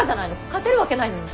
勝てるわけないのに。